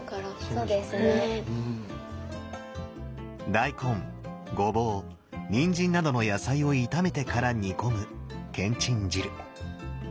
大根ごぼうにんじんなどの野菜を炒めてから煮込むけんちん汁。